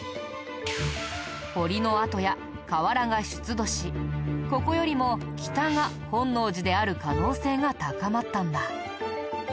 堀の跡や瓦が出土しここよりも北が本能寺である可能性が高まったんだ。